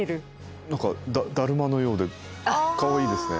何かだるまのようでかわいいですね。